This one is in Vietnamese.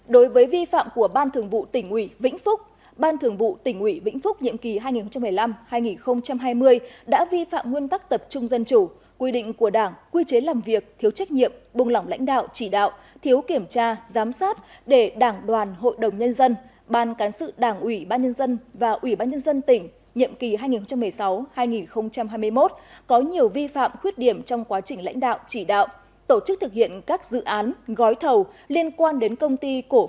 đối với vi phạm của ban thường vụ tỉnh ủy vĩnh phúc ban thường vụ tỉnh ủy vĩnh phúc nhiệm kỳ hai nghìn một mươi năm hai nghìn hai mươi đã vi phạm nguyên tắc tập trung dân chủ quy định của đảng quy chế làm việc thiếu trách nhiệm bùng lỏng lãnh đạo chỉ đạo thiếu kiểm tra giám sát để đảng đoàn hội đồng nhân dân ban cán sự đảng ủy ban nhân dân và ủy ban nhân dân tỉnh nhiệm kỳ hai nghìn một mươi sáu hai nghìn hai mươi một có nhiều vi phạm khuyết điểm trong quá trình lãnh đạo chỉ đạo tổ chức thực hiện các dự án gói thầu liên quan đến công ty cổ phòng chá